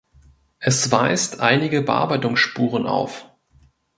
Es weist einige Bearbeitungsspuren auf.